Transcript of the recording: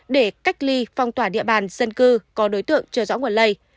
để cách ly phong tỏa địa bàn dân cư có đối tượng chờ dõi nguồn lây